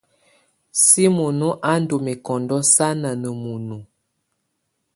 Simono á ndɔ́ mɛ́kɔndɔ́ sánà ná munuǝ.